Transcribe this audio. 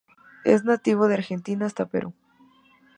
Es nativo de Argentina hasta Perú.